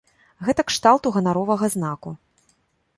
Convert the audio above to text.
Гэта кшталту ганаровага знаку.